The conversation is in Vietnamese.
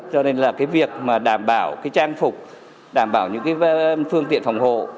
cho nên là cái việc mà đảm bảo cái trang phục đảm bảo những cái phương tiện phòng hộ